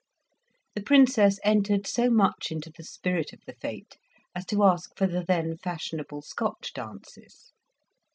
The Princess entered so much into the spirit of the fete as to ask for the then fashionable Scotch dances.